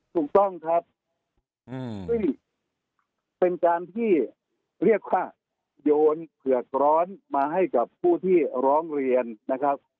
ถูกต้องครับซึ่งเป็นการที่เรียกว่าโยนเผือกร้อนมาให้กับผู้ที่ร้องเรียนนะครับ